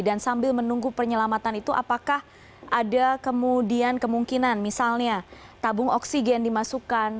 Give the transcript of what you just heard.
dan sambil menunggu penyelamatan itu apakah ada kemudian kemungkinan misalnya tabung oksigen dimasukkan